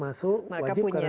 masuk mereka punya